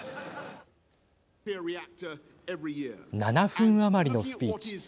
７分余りのスピーチ。